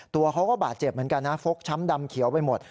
ตัวเขาก็บาดเจ็บเหมือนกันนะฟกช้ำดำเขียวไปหมด